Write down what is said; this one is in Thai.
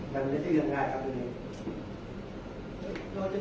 แต่ว่าไม่มีปรากฏว่าถ้าเกิดคนให้ยาที่๓๑